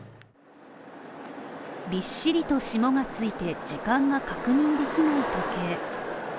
びっしりと霜がついて時間が確認できない時計